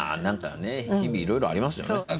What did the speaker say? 何か日々いろいろありますよね。